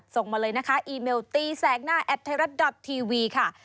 ส่งมาเลยนะคะอีเมลตีแสกหน้าแอดไทยรัฐดอททีวีค่ะ